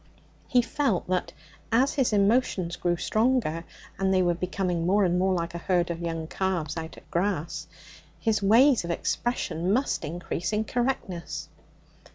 He felt that as his emotions grew stronger and they were becoming more and more like a herd of young calves out at grass his ways of expression must increase in correctness.